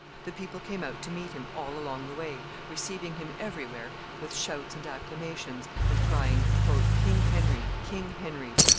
The people came out to meet him all along the way, receiving him every where with shouts and acclamations, and crying, "King Henry! King Henry!